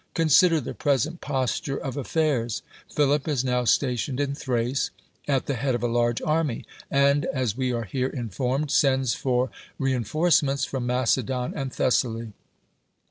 Consider the present posture of affairs. Philip is now stationed in Thrace, at tho head of a large army, and (as we are here informed) sends for rein forcements from Macedon and Thessaly.